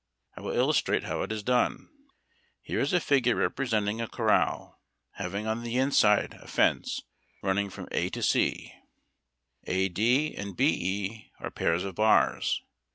I will illustrate how it was done. Here is a figure representing a corral, having on the inside a fence running from A to C. AD and BE are pairs of bars.